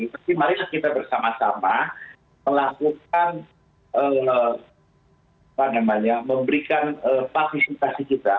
tapi mari kita bersama sama melakukan memberikan partisipasi kita